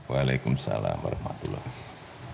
waalaikumsalam warahmatullahi wabarakatuh